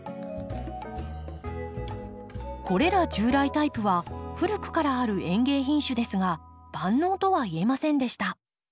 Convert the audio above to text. これら従来タイプは古くからある園芸品種ですが万能とはいえませんでした。